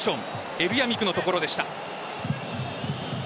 エルヤミクのところでした。